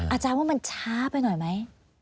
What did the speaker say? อาจารย์ว่ามันช้าไปหน่อยไหม